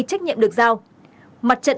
trách nhiệm được giao mặt trận